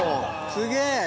すげえ！